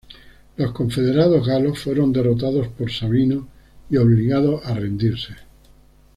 Los confederados galos fueron derrotados por Sabino, y obligados a rendirse.